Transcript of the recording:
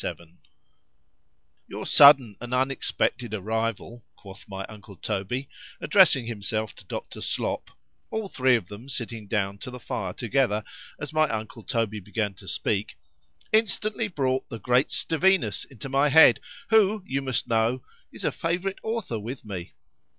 XXXVII YOUR sudden and unexpected arrival, quoth my uncle Toby, addressing himself to Dr. Slop, (all three of them sitting down to the fire together, as my uncle Toby began to speak)—instantly brought the great Stevinus into my head, who, you must know, is a favourite author with me.